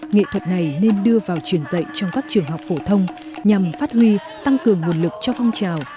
nghệ thuật này nên đưa vào truyền dạy trong các trường học phổ thông nhằm phát huy tăng cường nguồn lực cho phong trào